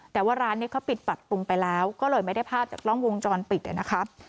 แต่ว่าร้านนี้เขาปิดปรับปรุงไปแล้วก็เลยไม่ได้ภาพจากกล้องวงจรปิดนะครับ